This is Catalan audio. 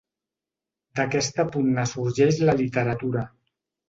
D'aquesta pugna sorgeix la literatura.